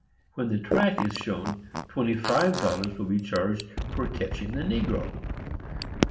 When the track is shown, twenty five dollars will be charged for catching the negro.